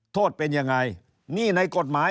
โทษเป็นยังไงหนี้ในกฎหมาย